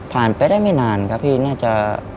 ไปได้ไม่นานครับพี่น่าจะ